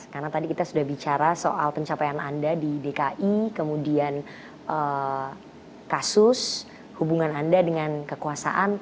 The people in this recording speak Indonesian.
karena tadi kita sudah bicara soal pencapaian anda di dki kemudian kasus hubungan anda dengan kekuasaan